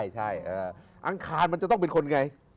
ใช่อังคารมันจะต้องเป็นคนไง